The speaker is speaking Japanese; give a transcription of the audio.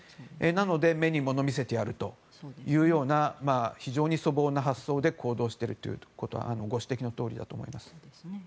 なので目にもの見せてやるという非常に粗暴な発想で行動しているというのはご指摘のとおりだと思います。